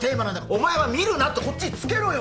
お前は見るなってこっちつけろよ